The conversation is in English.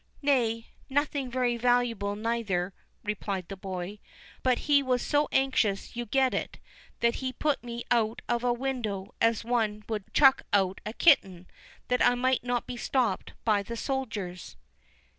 "Nay, nothing very valuable neither," replied the boy; "but he was so anxious you should get it, that he put me out of window as one would chuck out a kitten, that I might not be stopped by the soldiers."